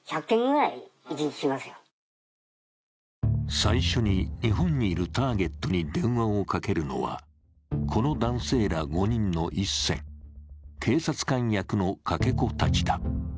最初に日本にいるターゲットに電話をかけるのは、この男性ら５人の１線、警察官役のかけ子たちだ。